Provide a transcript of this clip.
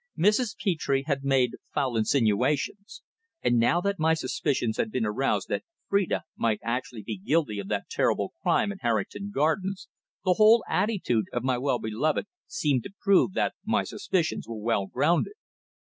Mrs. Petre had made foul insinuations, and now that my suspicions had been aroused that Phrida might actually be guilty of that terrible crime at Harrington Gardens, the whole attitude of my well beloved seemed to prove that my suspicions were well grounded.